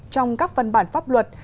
trong các văn bản pháp luật